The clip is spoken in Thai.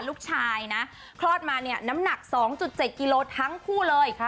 ลูกชายนะคลอดมาเนี่ยน้ำหนัก๒๗กิโลทั้งคู่เลย